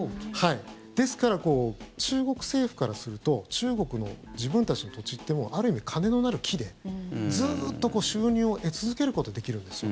ですから、中国政府からすると中国の自分たちの土地ってもうある意味、金のなる木でずっと収入を得続けることができるんですよ。